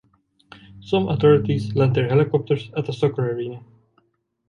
Some authorities land their helicopters at the Soccer Arena.